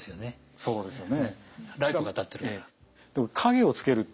そうですね。